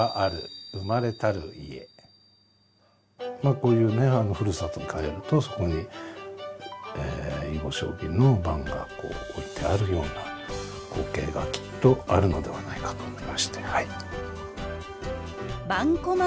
こういうねふるさとに帰るとそこに囲碁将棋の盤が置いてあるような光景がきっとあるのではないかと思いまして。